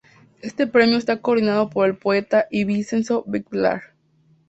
Este premio está coordinado por el poeta ibicenco Ben Clark.